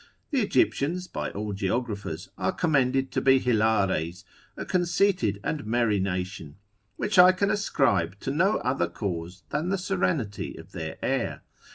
The Egyptians by all geographers are commended to be hilares, a conceited and merry nation: which I can ascribe to no other cause than the serenity of their air.